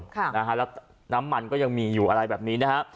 ค่ะนะฮะแล้วน้ำมันก็ยังมีอยู่อะไรแบบนี้นะฮะ